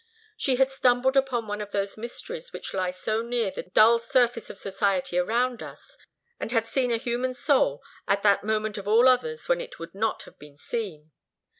She had stumbled upon one of those mysteries which lie so near the dull surface of society around us, and had seen a human soul at that moment of all others when it would not have been seen.